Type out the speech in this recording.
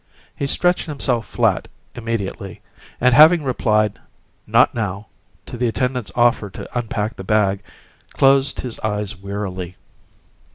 He stretched himself flat immediately, and having replied "Not now" to the attendant's offer to unpack the bag, closed his eyes wearily.